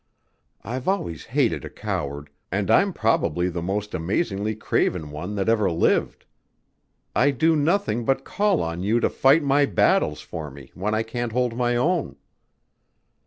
"I've always hated a coward, and I'm probably the most amazingly craven one that ever lived. I do nothing but call on you to fight my battles for me when I can't hold my own."